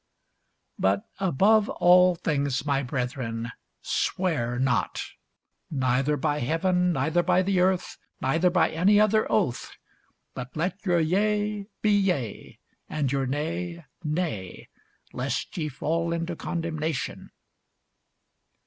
But above all things, my brethren, swear not, neither by heaven, neither by the earth, neither by any other oath: but let your yea be yea; and your nay, nay; lest ye fall into condemnation.